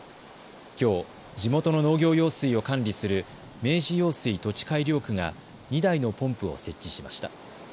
きょう地元の農業用水を管理する明治用水土地改良区が２台のポンプを設置しました。